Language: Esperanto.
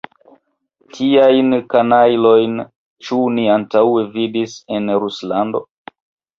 Tiajn kanajlojn ĉu ni antaŭe vidis en Ruslando?